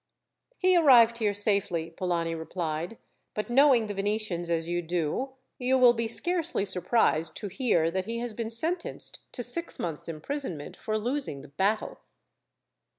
"He arrived here safely," Polani replied; "but knowing the Venetians as you do, you will be scarcely surprised to hear that he has been sentenced to six months' imprisonment, for losing the battle."